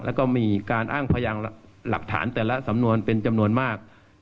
แล้วก็มีการอ้างพยานหลักฐานแต่ละสำนวนเป็นจำนวนมาก